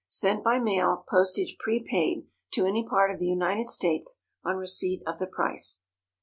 _Sent by mail, postage prepaid, to any part of the United States, on receipt of the price.